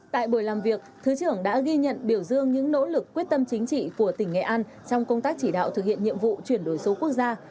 tại buổi làm việc thứ trưởng đã ghi nhận biểu dương những nỗ lực quyết tâm chính trị của tỉnh nghệ an trong công tác chỉ đạo thực hiện nhiệm vụ chuyển đổi số quốc gia